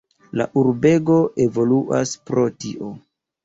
La urbego evoluas pro tio.